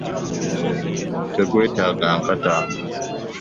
Tegwetaaga nkata.